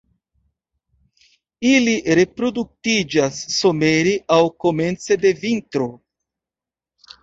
Ili reproduktiĝas somere aŭ komence de vintro.